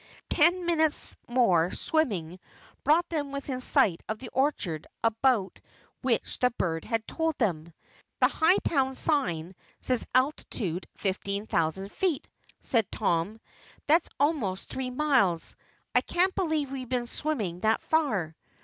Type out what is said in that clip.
Ten minutes more "swimming" brought them within sight of the orchard about which the bird had told them. "The Hightown sign said 'altitude 15,000 feet,'" said Tom. "That's almost three miles. I can't believe we've been swimming that far."